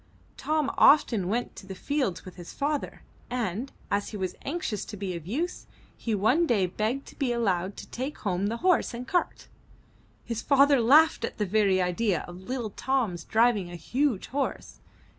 Tom often went to the fields with his father, and, as he was anxious to be of use, he one day begged to be allowed to take home the horse and cart. His father laughed at the very idea of little Tom's driving a huge horse.